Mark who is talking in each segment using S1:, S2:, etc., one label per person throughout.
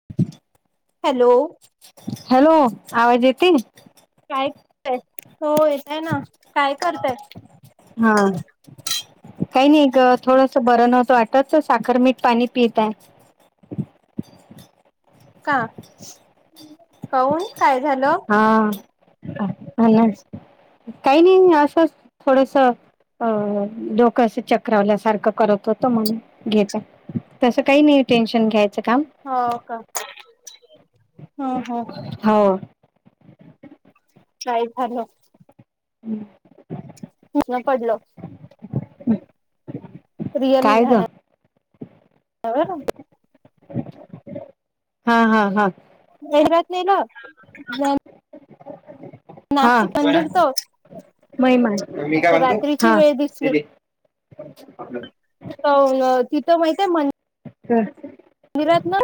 S1: [unintelligible]
S2: Hello,
S1: hello आवाज येते?
S2: काय करय हो येतय ना काय करताय,
S1: हा काही नाही ग थोडस बरं नव्हतं वाटतच साखर मीठ पाणी पिताय.
S2: हो का. काहून काय झालं?
S1: हा. काही नाही असं थोडस, अ डोक अस चक्रावल्या सारखं करत होतो म्हणून घेेतात. तसं काही नाही टेन्शन घ्यायचं काम,
S2: हो का. हा हा
S1: हो
S2: काय झालं.
S1: हम्
S2: खन पडलं रियल
S1: काय ग
S2: [inaudible]
S1: हा हा हा
S2: [unintelligible] नाशिक [unintelligible]
S1: मैमा मी काय म्हणतो
S2: रात्रीची
S1: हा
S2: वेळ
S1: ते
S2: दिसली
S1: दे आपल.
S2: ओ न तिथं माहित आहे म.
S1: [unintelligible]
S2: मी रात ना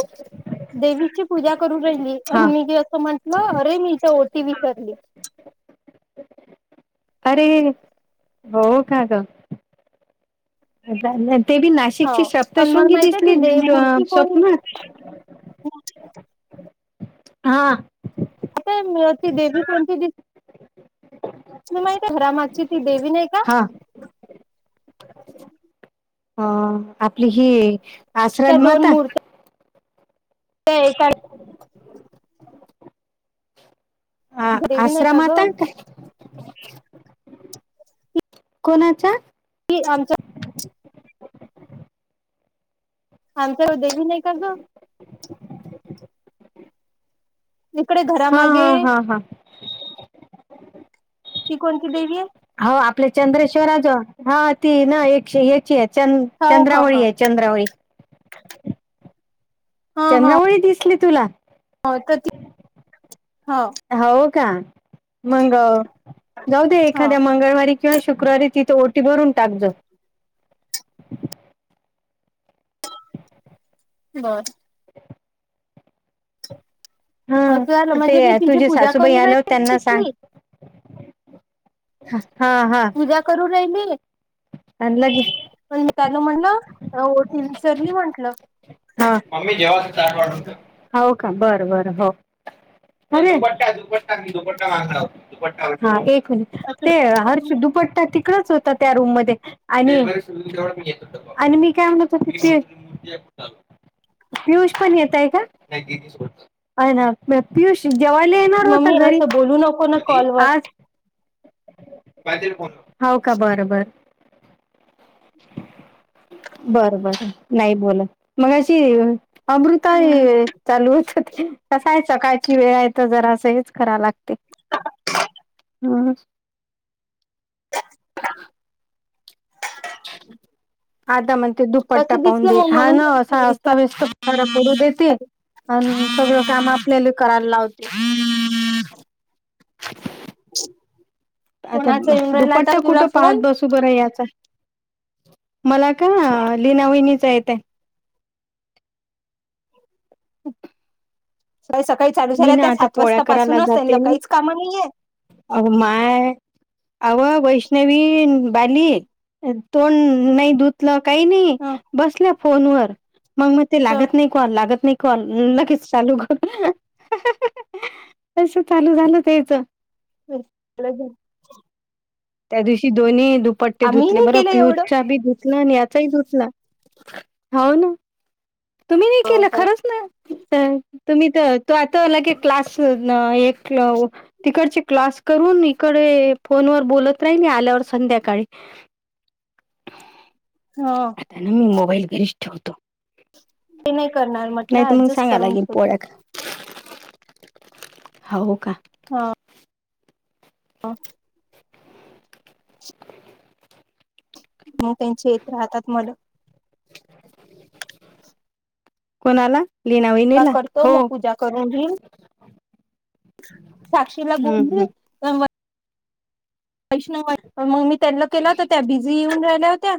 S2: देवीची पूजा करून राहिली
S1: हा
S2: आणि मी जे असं म्हण. नाही अरे मी इथ ओटी विसरली.
S1: अरे, हो का ग? ते बी
S2: हो
S1: नाशिकची
S2: पण मला
S1: सप्तशृंगी
S2: माहितय ती
S1: दिसली स्वप्ननात
S2: हो [inaudible]
S1: हा.
S2: आता ती देवी कोणती? ती नाही का घरा मागची ती देवी नाही का?
S1: हा अ आपली ही
S2: त्या
S1: आश्रन माता.
S2: ते काय?
S1: ह
S2: देवी नाही का ग
S1: आश्रमाताय काय? कोणाच्या?
S2: ती आमच्या आंतर देवी नाही का ग?
S1: [inaudible]
S2: इकडे घर
S1: हा हा हा हा.
S2: ती कोणती देवी आय?
S1: हाओ आपले चंद्रेश्वराजो हा ती ना एकशे एकची आहे च
S2: हो हो
S1: चंद्रावळी
S2: ह
S1: एय. चंद्रावळी.
S2: हा हा
S1: चणावळी दिसली तुला?
S2: हो त ती, हा.
S1: हाव का? मंग जाऊ दे
S2: हो
S1: एखाद्या मंगळवारी. किंवा शुक्रवारी तिथं ओटी भरून टाक जो.
S2: बरं.
S1: [inaudible]
S2: [unintelligible]
S1: हा ते
S2: म्हणजे मी तिची
S1: तुझे
S2: पूजा
S1: सासूबाई
S2: करू
S1: आल्यावर त्यांना सांग
S2: [unintelligible]
S1: हा हा.
S2: पूजा करू राहिली.
S1: आणला घे.
S2: पण मी ताईना म्हटलं ओटी विसरली म्हंटलं.
S1: हा, होका बर बर हो. अरे, हा एक कुणी
S2: असं
S1: ते हर्ष दुपट्टा तिकडच होतात. रूम मधे आणि, आणि मी काय म्हणत होते ते पियुष पण येतय का? अ न. म पियुष जेवायला येणार होता
S2: मम्मी
S1: घरी,
S2: असं बोलू नको ना कॉलवर
S1: आज. हाव का का बरं बर. बर बर नाही बोलत मगाशी अमृता
S2: हम्म
S1: हे. चालू होत ते कस आहे सकाळची वेळ आहे तर जरा स हेच करा लागते. हम. आता म्हणते दुपट्टा
S2: असं
S1: पाहून
S2: दिसलं
S1: दे
S2: मग
S1: हा
S2: म्हणून
S1: ना
S2: विचार
S1: [unintelligible] खर पडू देते आणि सगळं काम आपल्याला करायला लावते.
S2: [inaudible]
S1: आता
S2: कोणाचा येऊन राहिला आता
S1: दुपट्टा
S2: तुला
S1: कुठं पाहत
S2: फोन
S1: बस बर याचा, मला का लिनावहिनीचा येतय.
S2: सकाळी सकाळी चालू
S1: मी
S2: झाल्या
S1: ना
S2: त्या
S1: आता
S2: सात
S1: पोळ्या
S2: वाजता पाासूनच त्यांना काहीच कामं नाहीये.
S1: अग माय, आव वैष्णवी बाली. तोंड नाही धुतलं काही नाही बसल्या फोनवर मग मग ते
S2: ह
S1: लागत नाही. कॉल लागत नाही कॉल लगेच चालू कर. कस चालू झालं त्याच.
S2: [unintelligible]
S1: त्या दिवशी दोन्ही दुपट्टे
S2: आम्ही
S1: धुतले
S2: नाही
S1: बरं
S2: केलं
S1: पियूश
S2: एवढं
S1: चा बी धुतला आणि या [unintelligible] धुतला, हाओ ना तुम्ही, नाही केलं खरंच ना. तर तुम्ही तर तो [unintelligible] ना एक. [unintelligible] तिकडची क्लास करून इकडे फोन वर बोलत [unintelligible] आल्यावर संध्याकाळी.
S2: हा.
S1: मी मोबाईल घरीचठेवतो.
S2: ते नाही करणार म्हटलं
S1: तर मग
S2: ऍडजस्ट
S1: सांगा
S2: करून
S1: लागेल
S2: ठेवतो.
S1: पोळ्या हो का.
S2: हा. [inaudible] मग त्यांचे इेत राहतात मला.
S1: कोणाला. लीना
S2: का
S1: वहिनीला
S2: करतो
S1: हो
S2: मग पूजा करून घई. साक्षीला
S1: हम्म
S2: बोली
S1: हम्म
S2: तर पैश्ण मग मी त्याला केला होत त्या बिझी येऊन राहिल्या होत्या.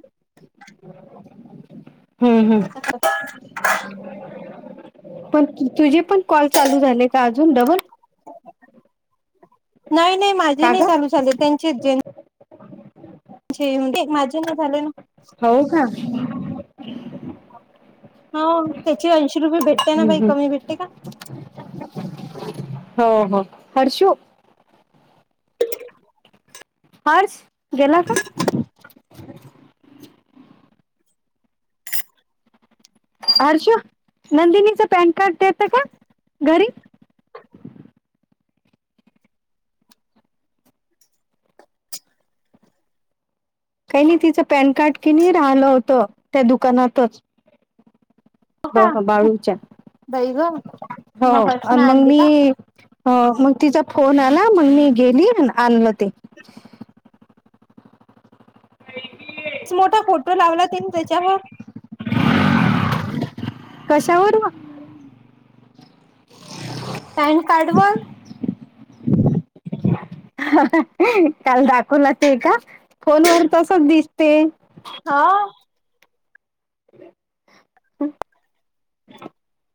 S1: हम्म हम्म.
S2: [inaudible]
S1: पण तुझे पण कॉल चालू झाले तर अजून डबल.
S2: नाही नाही माझे
S1: का
S2: नाही
S1: ग
S2: चालू झाले त्यांचे जे जी माझे नाही झाले ना.
S1: हो का.
S2: ह त्याची ऐंशी रुपये भेट.
S1: हम् हम् हो हो. हर्षु. हर्ष गेला का. हर्ष नंदिनीचं पॅन कार्ड देतं का घरी. काही नाही तिचं पॅन कार्ड कि नाही राहिलं होतं त्या दुकानातच.
S2: का
S1: बाळूच्या
S2: बाई ग
S1: हो
S2: मग हर्षण
S1: आणि मग
S2: आणली
S1: मी.
S2: का
S1: अ मग तिचा फोन आला मग मी गेली आणलं ते.
S2: मोठा फोटो लावला त्यांनी त्याच्यावर.
S1: कशावर. ह. [inaudible]
S2: पॅन कार्ड वर.
S1: [inaudible] काल दाखवला ते का फोन व तसच दिसते.
S2: हा.
S1: ह. [inaudible]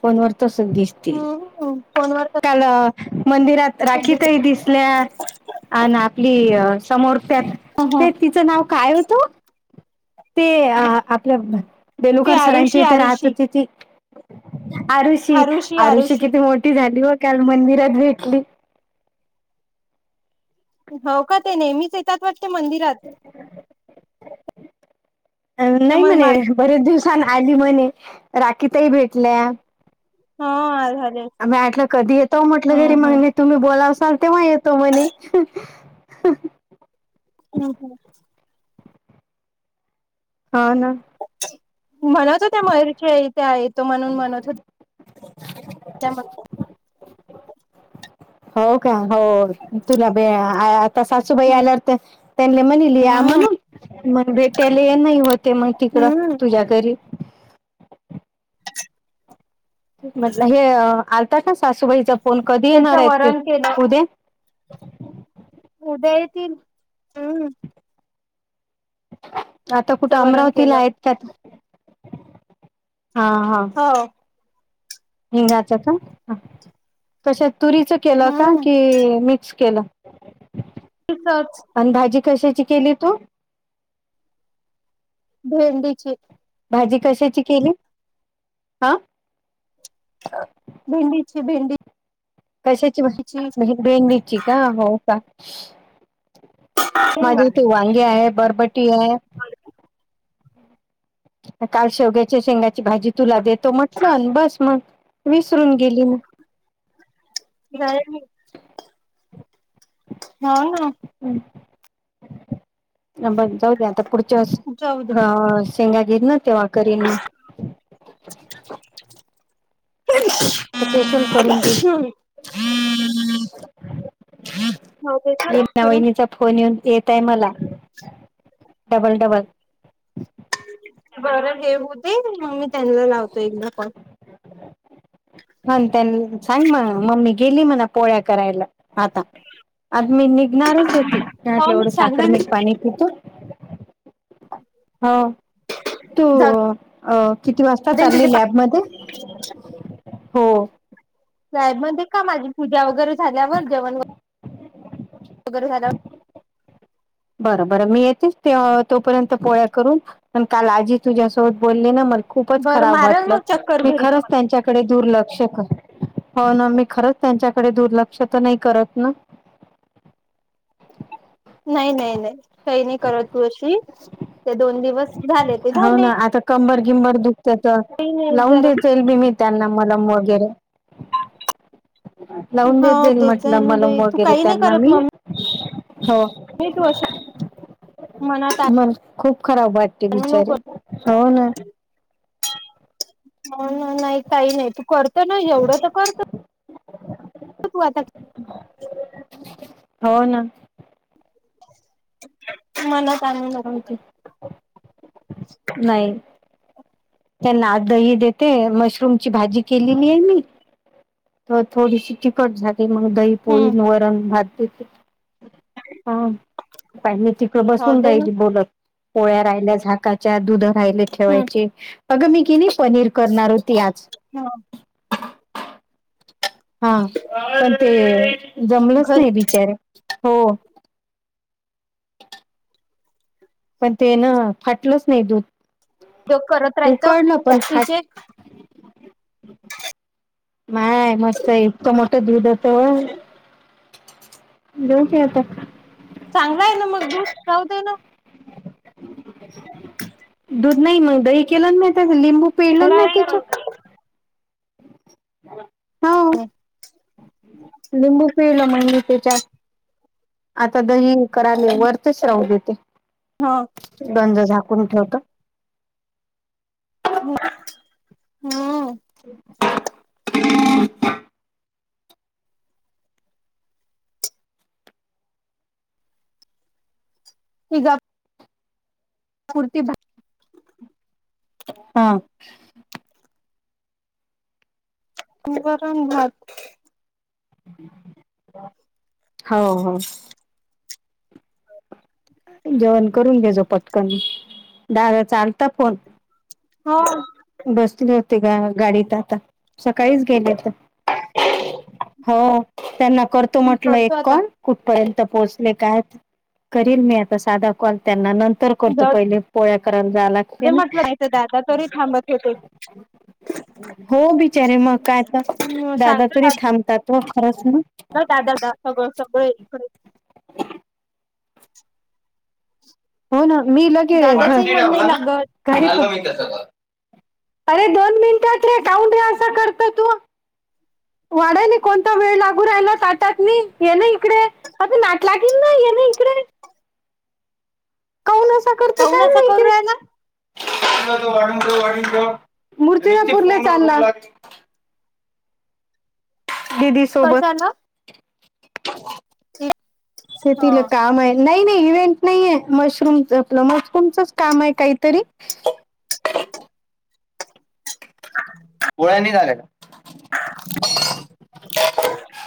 S1: फोन वर तसच दिसते
S2: हम्म फोनवर ह
S1: काल मंदिरात राखी ताई दिसल्या. आणि आपली समोर त्यात
S2: ह
S1: ते तिचं नाव काय होतं ओ? ते आपल्या
S2: ती
S1: बेलुकर सरांच्या
S2: आरुषी
S1: इथे राहत
S2: आरुषी
S1: त ती. आरुषी, आरुषी किती मोठी झाली व काल मंदिरात भेटली.
S2: हो का ते नेहमीच येतात वाटते मंदिरात.
S1: नाही
S2: त्यामुळे मा
S1: म्हणे बरेच दिवसन आली म्हणे, राखी ताई भेटल्या.
S2: ह आ झाले. हम्म
S1: आ्म्ही म्हटल कधी येतो म्हटलं घरी
S2: हम्म
S1: म्हणे तुम्ही बोलावसााल तेव्हा येतो म्हणे.
S2: [unintelligible]
S1: हा ना.
S2: म्हणत हो त्या मयुरच्या इथ येतो म्हणून म्हणत होत्या.
S1: [inaudible]
S2: च म. [inaudible]
S1: हो का हो. तुला ब आता सासूबाई आल्यावर तर त्यांनी म्हणली म्हणून. मग भेटयले नाही होते मग तिकडं
S2: हम्म
S1: तुझ्या घरी. म्हटलं हे आलता का सासूबाईचा फोन कधी
S2: त्याच
S1: येणार आहेत ते
S2: वरण केलं
S1: उद्या?
S2: उद्या येतील हम्म.
S1: आता कुठं
S2: वरण
S1: अमरावतीला
S2: केलं
S1: आहेत का? हा हा!
S2: हो!
S1: हिंगाच का कशात तुरीचं केलं का
S2: हम्म
S1: की मिक्स केलं?
S2: तिथंतच.
S1: आणि भाजी कशाची केली तू?
S2: भेंडीची!
S1: भाजी कशाची केली आ?
S2: भेंडीची भेंडी
S1: कशाची भा? भेंडीची का हो का.
S2: हो ना
S1: माझ्या इथे वांगे आहे बरबटी आहे. काल शेवग्याच्या शेंगाची भाजी तुला देतो म्हटलं अन बस मग. विसरून गेली मी!
S2: [unintelligible] नाय ना!
S1: बस जाऊदे आता पुढच्या वेळेस
S2: जाऊ दे
S1: हा शेंगा घेईना तेव्हा करीन मं. स्पेशल करून देईन.
S2: हो देते ना
S1: लीता
S2: करून
S1: वहिनीचा फोन येऊन येत आहे मला डबल डबल!
S2: बरं हे होऊदे म मी त्यांना लावतो एकदा कॉल.
S1: ह त्यां सांग म्हण ममी गेली म्हणा पोळ्या करायला. आता आता मी निघणारच होती
S2: हो मी
S1: एवढं साखर
S2: सांगेन
S1: मीठ पाणी पितो
S2: [inaudible]
S1: हो तू
S2: जाऊ
S1: अ किती वाजता
S2: दे
S1: चालली
S2: तुझे
S1: लॅबमध्ये? हो!
S2: जाईन म्हणेते का माझी पूजा वगैरे झाल्यावर जेवण वगै रे झाल्यावर
S1: बरं बरं मी येतीच ते तोपर्यंत पोळ्या करून आण काल आजी तुझ्यासोबत बोलली ना मग खूपच
S2: बरं
S1: खराब
S2: मारल
S1: वाटलं.
S2: मग चक्कर
S1: मी
S2: घरी.
S1: खरच त्यांच्याकडे दुर्लक्ष कर, हो ना मी खरंच त्यांच्याकडे दुर्लक्ष तर नाही करत ना?
S2: नाही नाही नाही काही नाही करत तू अशी! ते दोन दिवस झाले ते
S1: हाव
S2: झाले
S1: ना आता कंबर गिम्बर दुखत्यात
S2: काही नाही
S1: लावून
S2: जरा
S1: देत जाईल बी मी त्यांना मलम वगैरे! लावून देत
S2: हो
S1: जाईल
S2: जाय
S1: म्हटलं
S2: ना
S1: मलम
S2: बाई तू
S1: वगैरे
S2: काही नाही
S1: त्यांना मी हो.
S2: मी
S1: मग खूप खराब वाटते
S2: आणू नको
S1: बिचारी हो ना.
S2: म नाही काही नाही तू करतो ना येवढं तर करत तू आता
S1: हो ना!
S2: तू मनात आणू नको काय.
S1: नाय! त्यांना आत दही देते मशरूम ची भाजी केलेली आहे मी. तर थोडीशी तिखट झाली मग दही, पोळी
S2: हम्म
S1: अन् वरण, भात देते. हा बाई तिथ
S2: हो
S1: बसून
S2: दे ना
S1: राहिली बोलत. पोळ्या राहिल्या झाकाच्या दूध राहिले ठेवायचे. अग मी कि नाही पनीर करणार हो ती आज
S2: हम्म
S1: हा पण ते जमलंच
S2: घरी
S1: नाही बिचारे हो. पण तेन फाटलंच नाही दूध!
S2: उद्योग करत राहत
S1: उकडलं पण फाट
S2: टॅक्सीचे
S1: माय मस्तय इतकं मोठं दूध होत. जेवती आता.
S2: चांगला आहे ना मजबूत राहू दे न.
S1: दूध नाही मग दही केलं न म्या त्याच लिंबू पिळलं
S2: थोडा
S1: ना
S2: वेळ
S1: त्याच्यात
S2: [unintelligible]
S1: हो
S2: [unintelligible]
S1: लिंबू पिळलं मगं मी त्याच्यात. आता दही कराले वर तेच राहू देते.
S2: हां.
S1: गंज झाकून ठेवत.
S2: [unintelligible] हम्म
S1: [inaudible]
S2: [unintelligible] [unintelligible]
S1: हां.
S2: वरणभात.
S1: हाव हाव. जेवण करून घ्योजो पटकन, दादाचा आलता फोन.
S2: हो.
S1: बसले होती गा गाडीत आता सकाळीच गेलेत. हो त्यांना करतो म्हटलं एक
S2: करतो आता
S1: कॉल कुठपर्यंत पोहोचले काय? करील मी आता साधा कॉल त्यांना नंतर करतो,
S2: जाऊ
S1: पहिले पोळ्या कराले जा लाग
S2: दे म्हटलं नाही त दादा तरी थांबत होते
S1: हो बिचारे मग काय आता दादा तरी थांबतात. तूव खरंच ना.
S2: दा दादा सगळं सगळं इकीकडे.
S1: [inaudible]
S2: [inaudible]
S1: हो ना मी लगे
S2: दादाचही मन नाही लागत
S1: काय रे? अरे दोन मिनिटात रे काऊन रे असा करत तू? वाढाले कोणता वेळ लागू रायला ताटातनी ये न इकडे. आता नाटलागीन न ये ना इकडे. कंसा करत तो
S2: काहून
S1: काय
S2: असं करू
S1: माहिती?
S2: राहिला
S1: मूर्तीजापूरले चालला. दिदी सोबत
S2: कशाला
S1: ते
S2: हा
S1: तिले काम आहे. नाही नाही इव्हेंट नाही ये मशरूम आपलं मशरूमचच काम आहे काहीतरी.
S2: [inaudible]
S1: पोळ्या नाही झाल्या का?
S2: [inaudible]